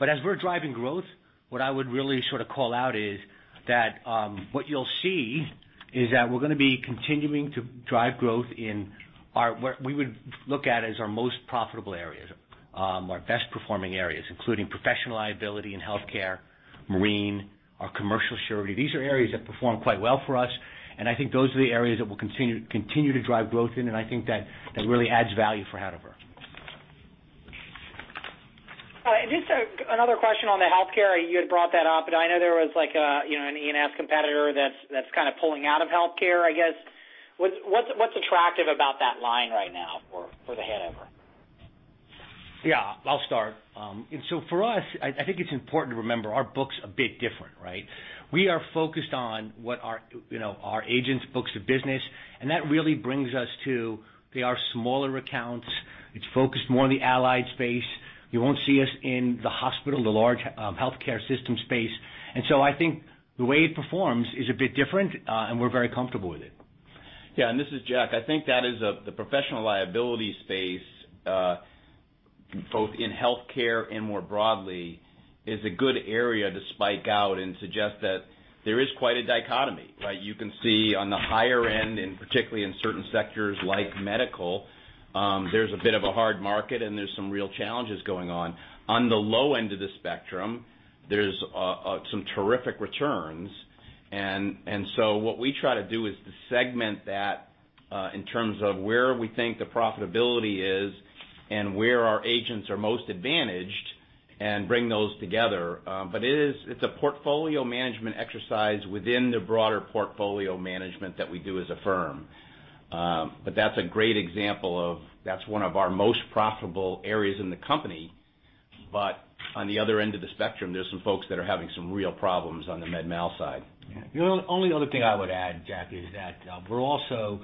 As we're driving growth, what I would really sort of call out is that what you'll see is that we're going to be continuing to drive growth in our, what we would look at as our most profitable areas, our best performing areas, including professional liability and healthcare, marine, our commercial surety. These are areas that perform quite well for us, and I think those are the areas that we'll continue to drive growth in, and I think that really adds value for Hanover. All right, just another question on the healthcare. You had brought that up, and I know there was an E&S competitor that's kind of pulling out of healthcare, I guess. What's attractive about that line right now for The Hanover? Yeah, I'll start. For us, I think it's important to remember our book's a bit different, right? We are focused on what our agents' books of business, and that really brings us to, they are smaller accounts. It's focused more on the allied space. You won't see us in the hospital, the large healthcare system space. I think the way it performs is a bit different, and we're very comfortable with it. Yeah, this is Jack. I think that is the professional liability space, both in healthcare and more broadly, is a good area to spike out and suggest that there is quite a dichotomy, right? You can see on the higher end, and particularly in certain sectors like medical, there's a bit of a hard market, and there's some real challenges going on. On the low end of the spectrum, there's some terrific returns. What we try to do is to segment that, in terms of where we think the profitability is and where our agents are most advantaged and bring those together. It's a portfolio management exercise within the broader portfolio management that we do as a firm. That's a great example of that's one of our most profitable areas in the company. On the other end of the spectrum, there's some folks that are having some real problems on the med mal side. The only other thing I would add, Jack, is that we're also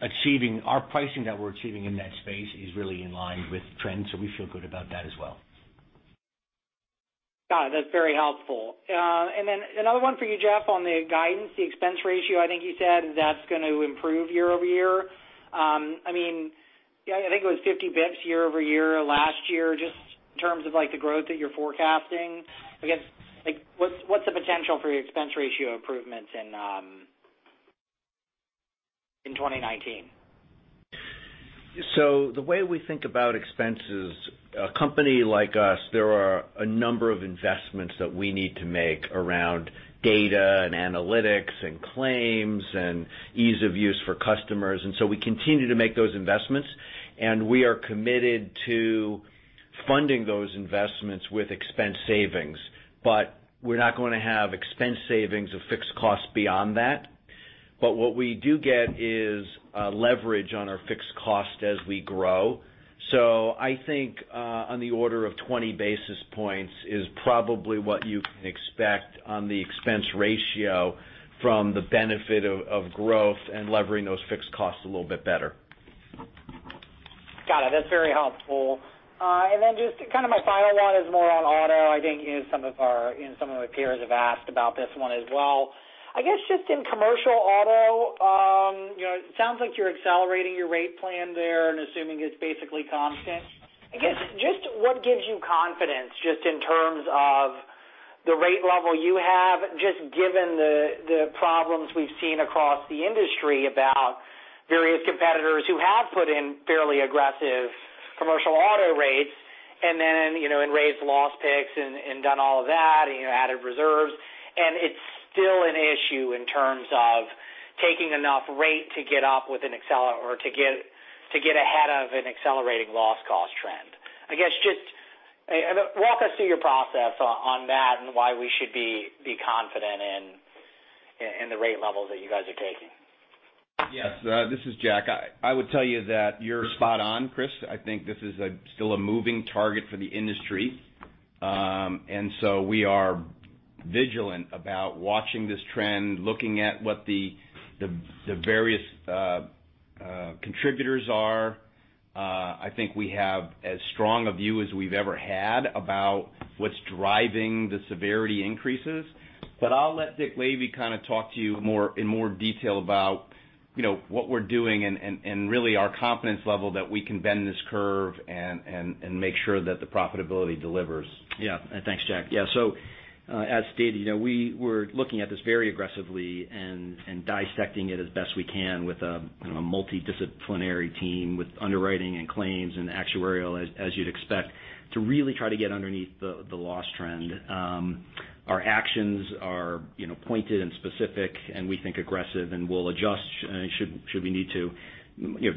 achieving our pricing that we're achieving in that space is really in line with trends. We feel good about that as well. Got it. That's very helpful. Then another one for you, Jeff, on the guidance, the expense ratio, I think you said that's going to improve year-over-year. I think it was 50 basis points year-over-year last year, just in terms of the growth that you're forecasting. What's the potential for your expense ratio improvements in 2019? The way we think about expenses, a company like us, there are a number of investments that we need to make around data and analytics and claims and ease of use for customers. We continue to make those investments, and we are committed to funding those investments with expense savings. We're not going to have expense savings of fixed costs beyond that. What we do get is leverage on our fixed cost as we grow. I think on the order of 20 basis points is probably what you can expect on the expense ratio from the benefit of growth and levering those fixed costs a little bit better. Got it. That's very helpful. Then just my final one is more on auto. I think some of our peers have asked about this one as well. Just in commercial auto, it sounds like you're accelerating your rate plan there and assuming it's basically constant. Just what gives you confidence just in terms of the rate level you have, just given the problems we've seen across the industry about various competitors who have put in fairly aggressive commercial auto rates, and raised loss picks, and done all of that, added reserves, and it's still an issue in terms of taking enough rate to get up with an accel or to get ahead of an accelerating loss cost trend. Just walk us through your process on that and why we should be confident in the rate levels that you guys are taking. Yes. This is Jack. I would tell you that you're spot on, Chris. I think this is still a moving target for the industry. So we are vigilant about watching this trend, looking at what the various contributors are. I think we have as strong a view as we've ever had about what's driving the severity increases. I'll let Dick Lavey kind of talk to you in more detail about what we're doing and really our confidence level that we can bend this curve and make sure that the profitability delivers. Yeah. Thanks, Jack. As stated, we're looking at this very aggressively and dissecting it as best we can with a multidisciplinary team with underwriting and claims and actuarial, as you'd expect, to really try to get underneath the loss trend. Our actions are pointed and specific, and we think aggressive, and we'll adjust should we need to.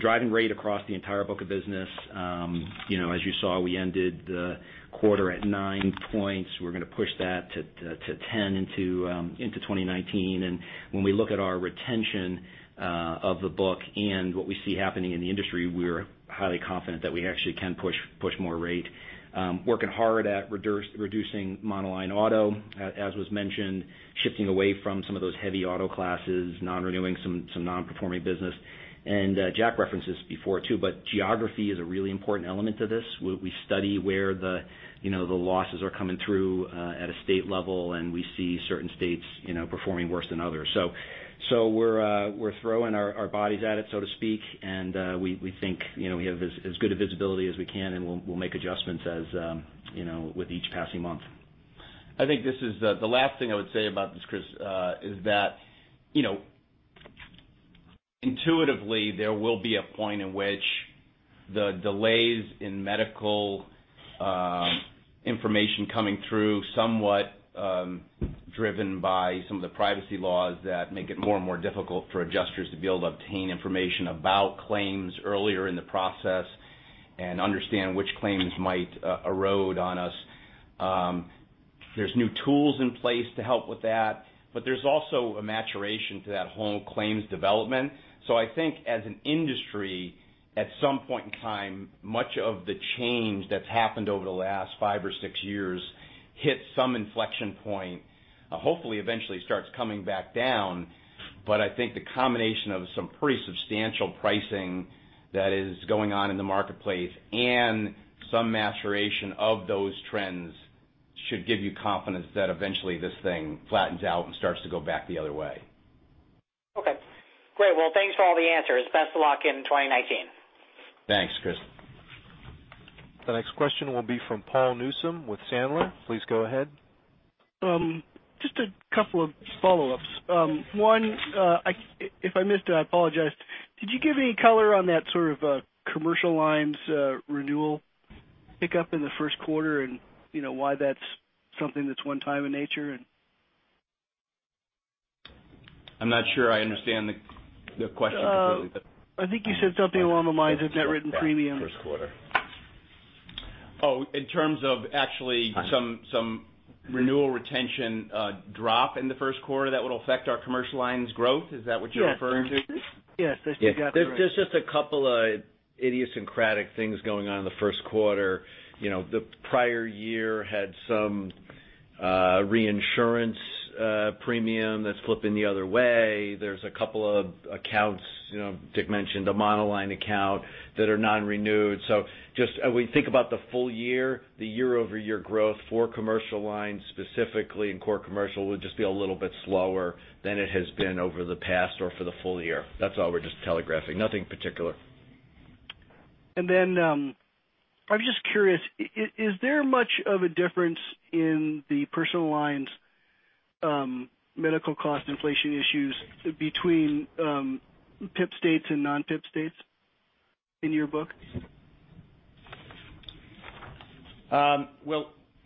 Driving rate across the entire book of business, as you saw, we ended the quarter at nine points. We're going to push that to 10 into 2019. When we look at our retention of the book and what we see happening in the industry, we're highly confident that we actually can push more rate. Working hard at reducing monoline auto, as was mentioned, shifting away from some of those heavy auto classes, non-renewing some non-performing business. Jack referenced this before too, but geography is a really important element to this. We study where the losses are coming through at a state level, we see certain states performing worse than others. We're throwing our bodies at it, so to speak, we think we have as good a visibility as we can, and we'll make adjustments with each passing month. I think the last thing I would say about this, Chris, is that intuitively, there will be a point in which the delays in medical information coming through, somewhat driven by some of the privacy laws that make it more and more difficult for adjusters to be able to obtain information about claims earlier in the process and understand which claims might erode on us. There's new tools in place to help with that, but there's also a maturation to that whole claims development. I think as an industry, at some point in time, much of the change that's happened over the last five or six years hit some inflection point, hopefully eventually starts coming back down. I think the combination of some pretty substantial pricing that is going on in the marketplace and some maturation of those trends should give you confidence that eventually this thing flattens out and starts to go back the other way. Okay, great. Well, thanks for all the answers. Best of luck in 2019. Thanks, Chris. The next question will be from Paul Newsome with Sandler. Please go ahead. Just a couple of follow-ups. One, if I missed it, I apologize. Did you give any color on that sort of commercial lines renewal pickup in the first quarter, and why that's something that's one-time in nature? I'm not sure I understand the question completely. I think you said something along the lines of net written premium. First quarter. Oh, in terms of actually some renewal retention drop in the first quarter that would affect our commercial lines growth? Is that what you're referring to? Yes. Yes, you got it right. There's just a couple of idiosyncratic things going on in the first quarter. The prior year had some reinsurance premium that's flipping the other way. There's a couple of accounts, Dick mentioned the monoline account, that are non-renewed. Just as we think about the full year, the year-over-year growth for commercial lines specifically in core commercial would just be a little bit slower than it has been over the past or for the full year. That's all we're just telegraphing. Nothing particular. Then, I'm just curious, is there much of a difference in the personal lines medical cost inflation issues between PIP states and non-PIP states in your book?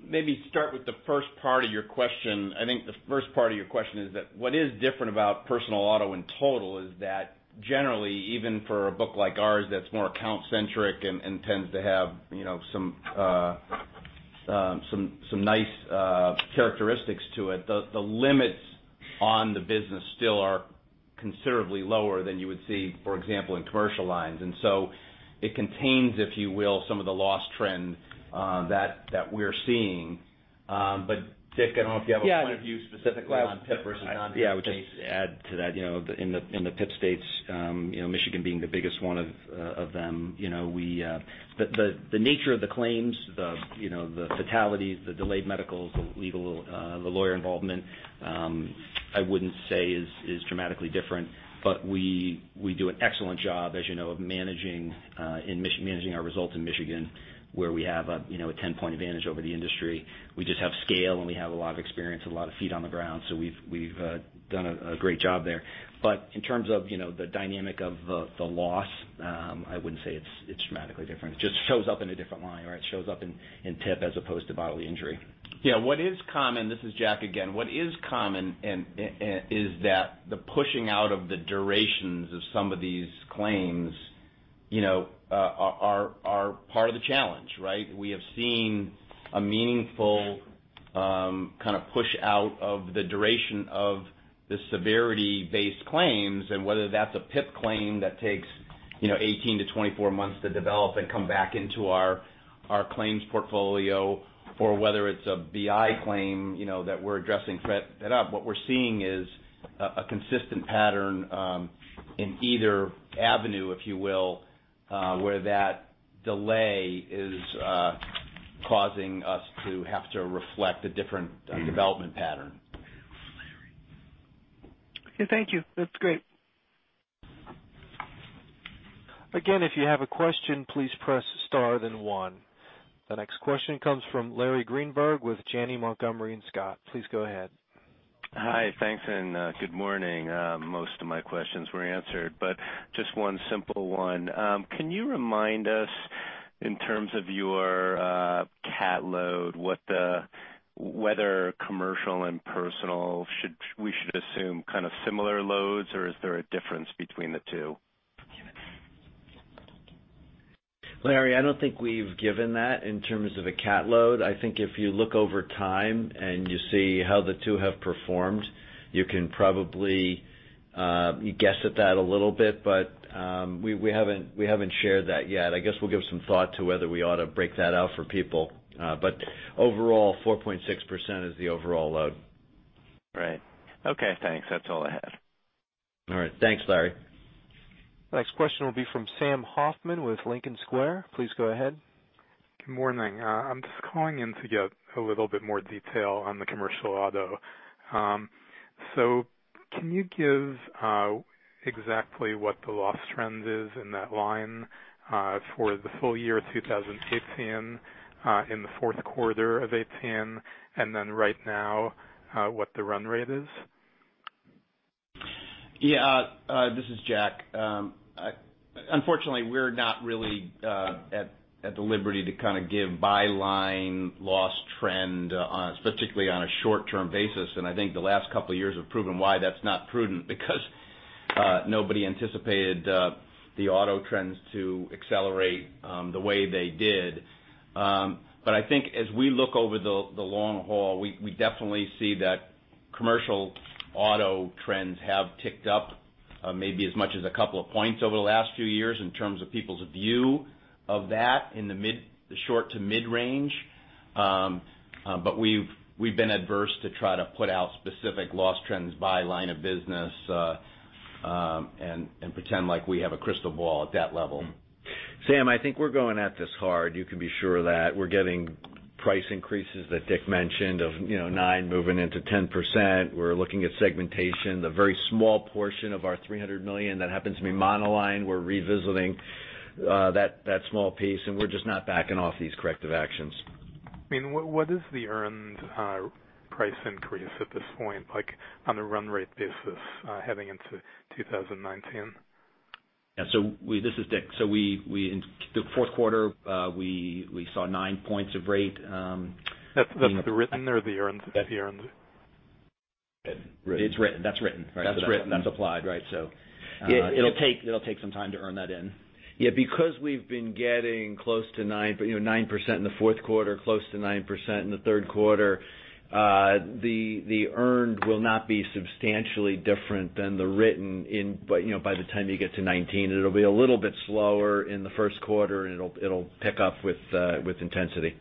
Maybe start with the first part of your question. I think the first part of your question is that what is different about personal auto in total is that generally, even for a book like ours that's more account-centric and tends to have some nice characteristics to it, the limits on the business still are considerably lower than you would see, for example, in commercial lines. It contains, if you will, some of the loss trend that we're seeing. Dick, I don't know if you have a point of view specifically on PIP versus non-PIP. Yeah. I would just add to that, in the PIP states, Michigan being the biggest one of them, the nature of the claims, the fatalities, the delayed medicals, the legal, the lawyer involvement, I wouldn't say is dramatically different. We do an excellent job, as you know, of managing our results in Michigan, where we have a 10-point advantage over the industry. We just have scale, and we have a lot of experience and a lot of feet on the ground, so we've done a great job there. In terms of the dynamic of the loss, I wouldn't say it's dramatically different. It just shows up in a different line, or it shows up in PIP as opposed to bodily injury. What is common, this is Jack again. What is common is that the pushing out of the durations of some of these claims are part of the challenge, right? We have seen a meaningful kind of push-out of the duration of the severity-based claims. Whether that's a PIP claim that takes 18-24 months to develop and come back into our claims portfolio or whether it's a BI claim that we're addressing front up, what we're seeing is a consistent pattern in either avenue, if you will, where that delay is causing us to have to reflect a different development pattern. Okay, thank you. That's great. Again, if you have a question, please press star then one. The next question comes from Larry Greenberg with Janney Montgomery Scott. Please go ahead. Hi, thanks, and good morning. Just one simple one. Can you remind us in terms of your CAT load, whether commercial and personal, we should assume kind of similar loads, or is there a difference between the two? Larry, I don't think we've given that in terms of a CAT load. I think if you look over time and you see how the two have performed, you can probably guess at that a little bit. We haven't shared that yet. I guess we'll give some thought to whether we ought to break that out for people. Overall, 4.6% is the overall load. Right. Okay, thanks. That's all I had. All right. Thanks, Larry. Next question will be from Sam Hoffman with Lincoln Square. Please go ahead. Good morning. I'm just calling in to get a little bit more detail on the commercial auto. Can you give exactly what the loss trend is in that line for the full year of 2018, in the fourth quarter of 2018, and then right now, what the run rate is? Yeah. This is Jack. Unfortunately, we're not really at the liberty to kind of give by-line loss trend, particularly on a short-term basis, and I think the last couple of years have proven why that's not prudent, because nobody anticipated the auto trends to accelerate the way they did. I think as we look over the long haul, we definitely see that commercial auto trends have ticked up maybe as much as a couple of points over the last few years in terms of people's view of that in the short to mid-range. We've been adverse to try to put out specific loss trends by line of business, and pretend like we have a crystal ball at that level. Sam, I think we're going at this hard. You can be sure of that. We're getting price increases that Dick mentioned of nine moving into 10%. We're looking at segmentation. The very small portion of our $300 million that happens to be monoline, we're revisiting that small piece, and we're just not backing off these corrective actions. What is the earned price increase at this point, on a run rate basis heading into 2019? Yeah. This is Dick. In the fourth quarter, we saw nine points of rate- That's the written or the earned? It's written. That's written. That's written. That's applied, right? It'll take some time to earn that in. Yeah, because we've been getting close to 9% in the fourth quarter, close to 9% in the third quarter, the earned will not be substantially different than the written by the time you get to 2019. It'll be a little bit slower in the first quarter, and it'll pick up with intensity.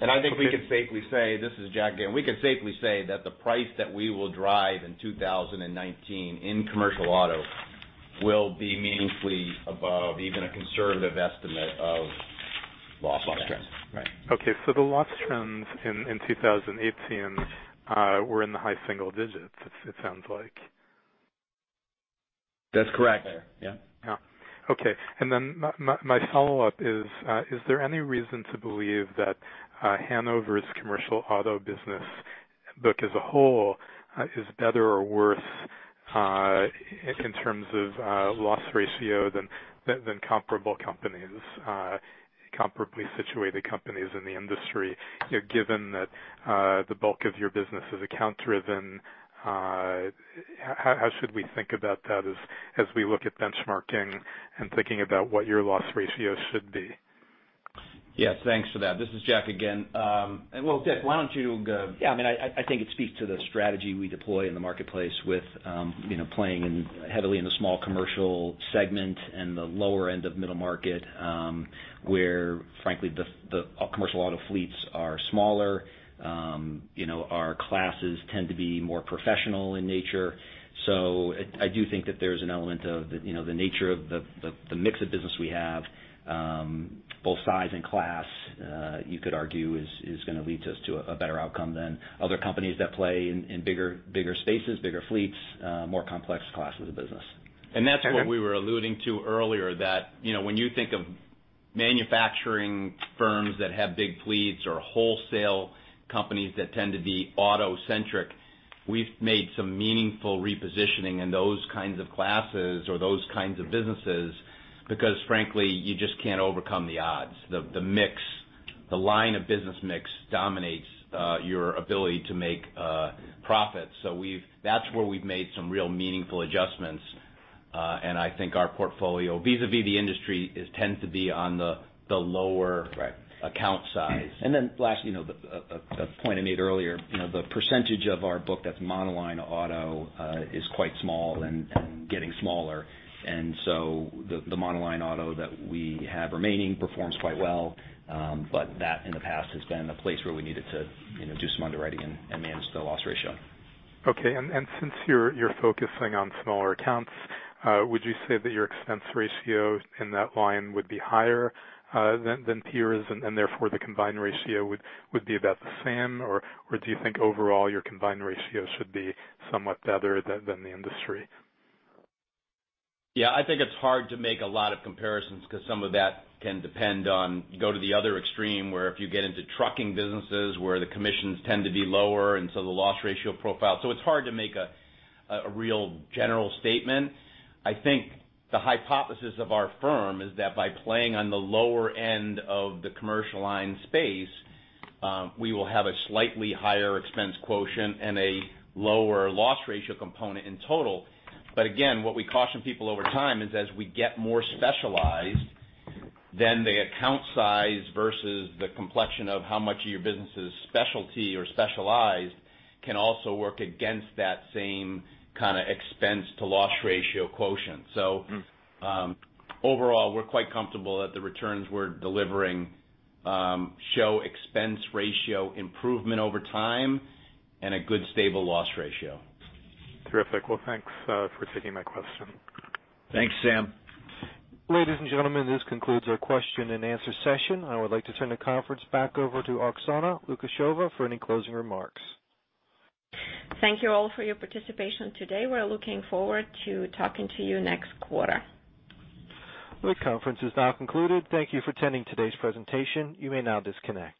I think we can safely say, this is Jack again, we can safely say that the price that we will drive in 2019 in commercial auto will be meaningfully above even a conservative estimate of loss trends. Loss trends. Right. Okay, the loss trends in 2018 were in the high single digits, it sounds like. That's correct. Yeah. Yeah. Okay. My follow-up is there any reason to believe that The Hanover's commercial auto business book as a whole is better or worse in terms of loss ratio than comparable companies, comparably situated companies in the industry? Given that the bulk of your business is account-driven, how should we think about that as we look at benchmarking and thinking about what your loss ratio should be? Yes, thanks for that. This is Jack again. Well, Dick, why don't you- Yeah, I think it speaks to the strategy we deploy in the marketplace with playing heavily in the small commercial segment and the lower end of middle market, where frankly, the commercial auto fleets are smaller. Our classes tend to be more professional in nature. I do think that there's an element of the nature of the mix of business we have, both size and class, you could argue is going to lead us to a better outcome than other companies that play in bigger spaces, bigger fleets, more complex classes of business. That's what we were alluding to earlier, that when you think of manufacturing firms that have big fleets or wholesale companies that tend to be auto-centric, we've made some meaningful repositioning in those kinds of classes or those kinds of businesses because frankly, you just can't overcome the odds. The line of business mix dominates your ability to make a profit. That's where we've made some real meaningful adjustments. I think our portfolio, vis-a-vis the industry, tends to be on the lower- Right account size. Lastly, the point I made earlier, the percentage of our book that's monoline auto is quite small and getting smaller. The monoline auto that we have remaining performs quite well. That in the past has been a place where we needed to do some underwriting and manage the loss ratio. Okay. Since you're focusing on smaller accounts, would you say that your expense ratio in that line would be higher than peers and therefore the combined ratio would be about the same? Do you think overall your combined ratio should be somewhat better than the industry? I think it's hard to make a lot of comparisons because some of that can depend on, go to the other extreme, where if you get into trucking businesses where the commissions tend to be lower and the loss ratio profile. It's hard to make a real general statement. I think the hypothesis of our firm is that by playing on the lower end of the commercial line space, we will have a slightly higher expense quotient and a lower loss ratio component in total. Again, what we caution people over time is as we get more specialized, then the account size versus the complexion of how much of your business is specialty or specialized can also work against that same kind of expense-to-loss ratio quotient. Overall, we're quite comfortable that the returns we're delivering show expense ratio improvement over time and a good stable loss ratio. Terrific. Thanks for taking my question. Thanks, Sam. Ladies and gentlemen, this concludes our question and answer session. I would like to turn the conference back over to Oksana Lukasheva for any closing remarks. Thank you all for your participation today. We're looking forward to talking to you next quarter. The conference is now concluded. Thank you for attending today's presentation. You may now disconnect.